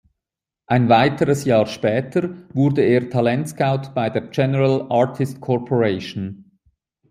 Ein weiteres Jahr später wurde er Talentscout bei der "General Artist Corporation".